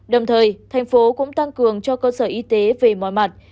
đồng thời thành phố cũng tăng cường cho cơ sở y tế về mọi mặt